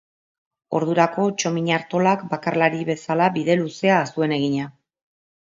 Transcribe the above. Ordurako Txomin Artolak bakarlari bezala bide luzea zuen egina.